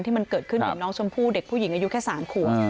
ที่มันเกิดขึ้นถึงน้องชมพู่เด็กผู้หญิงอายุแค่๓ขวบ